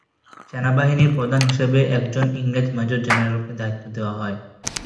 সেনাবাহিনীর প্রধান হিসেবে একজন ইংরেজ মেজর জেনারেলকে দায়িত্ব দেওয়া হয়।